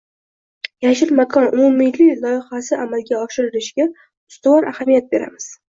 “Yashil makon” umummilliy loyihasi amalga oshirilishiga ustuvor ahamiyat beramiz.